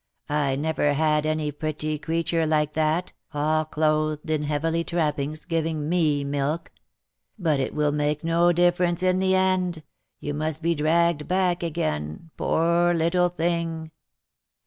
" I never had any pretty creature like that, all clothed in heavenly trappings, giving me milk ; but it will make no difference in the end — you must be dragged back again, poor little thing